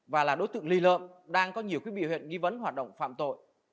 và là đối tượng ly lợm đang có nhiều biểu hiện nghi vấn hoạt động phạm tội